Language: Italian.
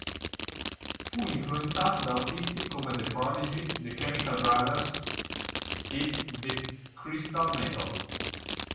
Fu influenzato da artisti come The Prodigy, The Chemical Brothers e The Crystal Method.